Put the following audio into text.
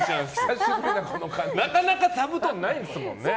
なかなかザブトンないんですもんね。